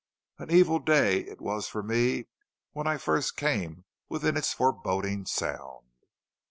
"An evil day it was for me when I first came within its foreboding sound."